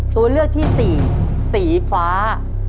ตัวเลือกที่สี่สีฟ้า